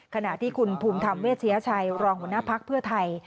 ขณะที่คุณภูมิธรรมเวชยชัยรองหัวหน้าภักดิ์เพื่อไทย